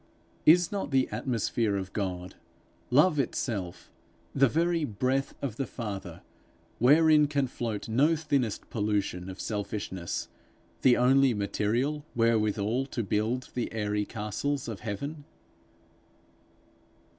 Is not the atmosphere of God, love itself, the very breath of the Father, wherein can float no thinnest pollution of selfishness, the only material wherewithal to build the airy castles of heaven?